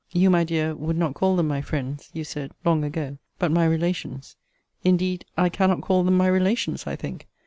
You, my dear, would not call them my friends, you said, long ago; but my relations: indeed I cannot call them my relations, I think!